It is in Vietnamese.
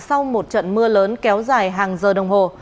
sau một trận mưa lớn kéo dài hàng giờ đồng hồ